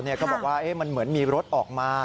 ก็บอกว่ามันเหมือนมีรถออกมา